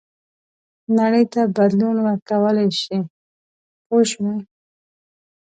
نړۍ ته بدلون ورکولای شي پوه شوې!.